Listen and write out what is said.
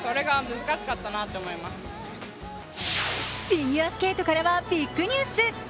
フィギュアスケートからはビッグニュース。